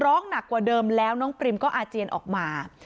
ร้องหนักกว่าเดิมแล้วน้องปริมก็อาเจียนออกมา